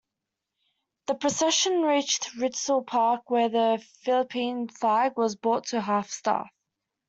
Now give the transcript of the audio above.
The procession reached Rizal Park, where the Philippine flag was brought to half-staff.